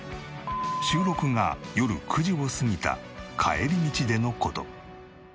収録が夜９時を過ぎた帰り道での事。